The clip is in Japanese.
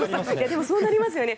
でもそうなりますよね。